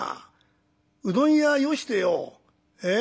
うどん屋よしてよええ？